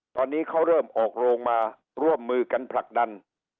ตอนนี้เขาเริ่มออกโรงมาร่วมมือกันผลักดัน